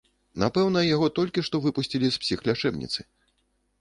Напэўна, яго толькі што выпусцілі з псіхлячэбніцы.